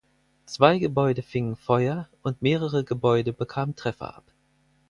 Zwei Gebäude fingen Feuer, und mehrere Gebäude bekamen Treffer ab.